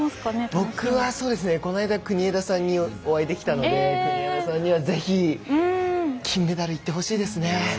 僕は国枝さんにお会いできたので国枝さんには、ぜひ金メダルいってほしいですね。